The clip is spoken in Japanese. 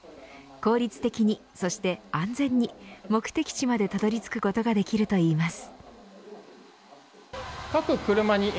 効率的にそして安全に目的地までたどり着くことができるといいます。